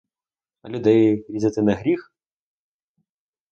А людей різати не гріх?!